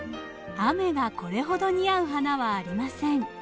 雨がこれほど似合う花はありません。